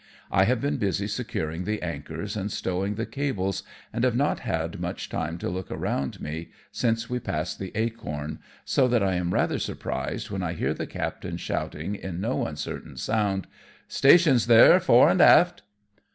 I have been busy securing the anchors and stowing the cables, and have not had much time to look around me since we passed the Acorn, so that I am rather surprised when I hear the captain shouting in no uncertain sound, " Stations there, fore and aft."